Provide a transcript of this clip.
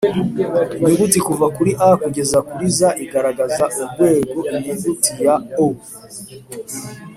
inyuguti kuva kuri A kugeza kuri Z igaragaza urwego Inyuguti ya O